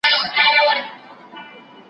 زه به سبا د ژبي تمرين کوم